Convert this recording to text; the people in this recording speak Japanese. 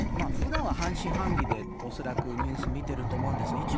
ふだんは半信半疑で恐らくニュース見てると思うんですよ。